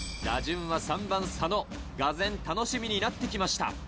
打順は３番・佐野がぜん楽しみになって来ました。